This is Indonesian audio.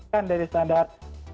kan dari standar